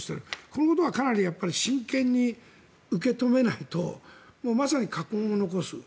このことはかなり真剣に受け止めないともうまさに禍根を残す。